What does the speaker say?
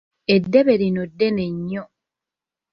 Eddebe lino ddene nnyo!